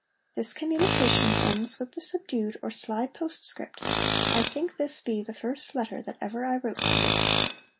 This communication ends with the subdued or sly postscript, 'I think this be the first letter that ever I wrote to you.'